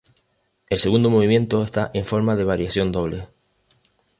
El segundo movimiento está en forma de variación doble.